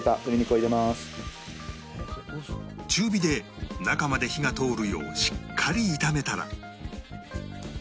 中火で中まで火が通るようしっかり炒めたら